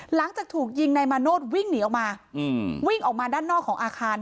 หลังจากถูกยิงนายมาโนธวิ่งหนีออกมาวิ่งออกมาด้านนอกของอาคาร